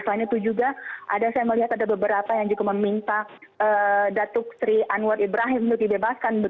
selain itu juga ada saya melihat ada beberapa yang juga meminta datuk sri anwar ibrahim untuk dibebaskan